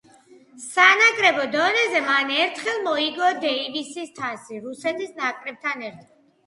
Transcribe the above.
სანაკრებო დონეზე, მან ერთხელ მოიგო დეივისის თასი რუსეთის ნაკრებთან ერთად.